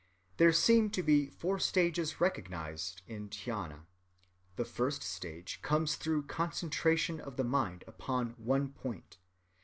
There seem to be four stages recognized in dhyâna. The first stage comes through concentration of the mind upon one point.